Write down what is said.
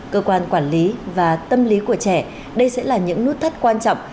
cơ quan quản lý và tâm lý của trẻ đây sẽ là những nút thắt quan trọng